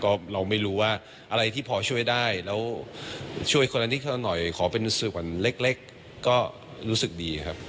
ก็เราไม่รู้ว่าอะไรที่พอช่วยได้แล้วช่วยคนอื่นที่เขาหน่อยขอเป็นรู้สึกว่าเล็กเล็กก็รู้สึกดีครับ